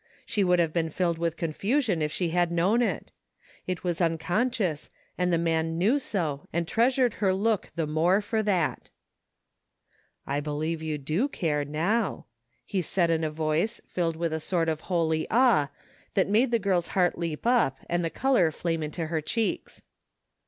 She wotdd have been filled with confusion if 75 THE FINDING OF JASPER HOLT she had known it It was unconscious and the man knew so and treasured her look the more for that " I believe you do care, now," he said in a voice filled with a sort of holy awe that made the girl's heart leap up and the color flame into her cheeks.